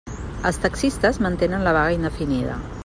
Els taxistes mantenen la vaga indefinida.